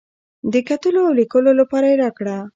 د کتلو او لیکلو لپاره یې راکړه.